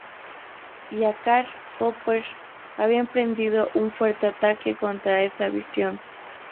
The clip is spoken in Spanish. Ya Karl Popper había emprendido un fuerte ataque contra esta visión.